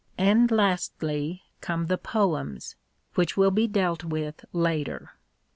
And lastly come the poems, which will be dealt vidth later.